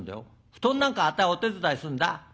布団なんかあたいお手伝いするんだ」。